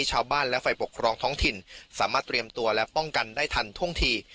ชาวบ้านและฝ่ายปกครองท้องถิ่นสามารถเตรียมตัวและป้องกันได้ทันท่วงที